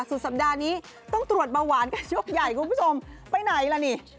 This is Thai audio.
สุดสัปดาห์นี้ต้องตรวจเบาหวานกันยกใหญ่คุณผู้ชมไปไหนล่ะนี่